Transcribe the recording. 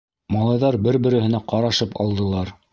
Малайҙар бер-береһенә ҡарашып алдылар.